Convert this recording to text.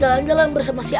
jalan jalan bersama si alan